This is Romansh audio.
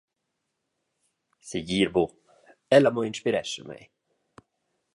Segir buc, ella mo inspirescha mei.